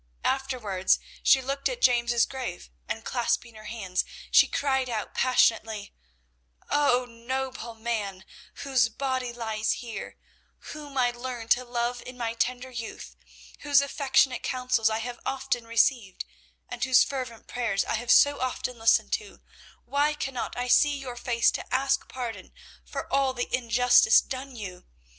Afterwards she looked at James's grave and, clasping her hands, she cried out passionately, "Oh, noble man, whose body lies here, whom I learned to love in my tender youth, whose affectionate counsels I have often received, and whose fervent prayers I have so often listened to, why cannot I see your face to ask pardon for all the injustice done you?